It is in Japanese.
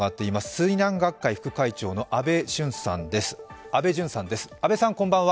水難学会副会長の安倍淳さんです。